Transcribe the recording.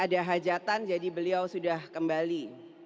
ada hajatan jadi beliau sudah kembali